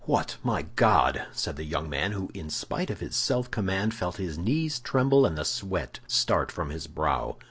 "What, my God!" said the young man, who in spite of his self command felt his knees tremble and the sweat start from his brow.